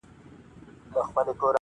په هرځای کي چي مي کړې آشیانه ده-